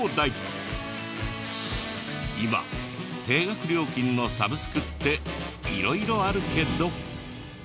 今定額料金のサブスクって色々あるけど。